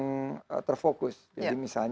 pendekatan kita akan mengajukan